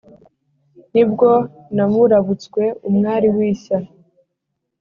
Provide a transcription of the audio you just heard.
Nibwo namurabutswe umwari w'ishya!